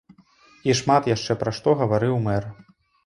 І шмат яшчэ пра што гаварыў мэр.